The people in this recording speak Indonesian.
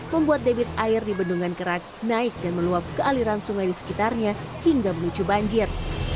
membuat debit air di bendungan kerak naik dan meluap ke aliran sungai di sekitarnya hingga memicu banjir